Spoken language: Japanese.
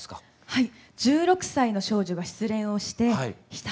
はい。